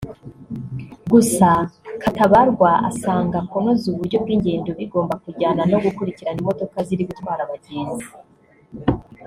Gusa Katabarwa asanga kunoza uburyo bw’ingendo bigomba kujyana no gukurikirana imodoka ziri gutwara abagenzi